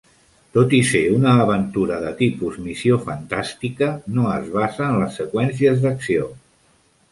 Tot i ser una "aventura de tipus missió fantàstica", no es basa en les seqüències d'acció.